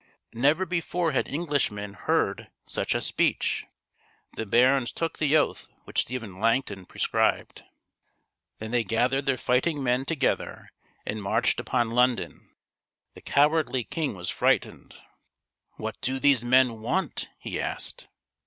Never before had Englishmen heard such a speech. The barons took the oath which Stephen Langton prescribed. Then they gathered their fighting men together and marched upon London. The cowardly king was frightened. " What do these men want ?" he asked.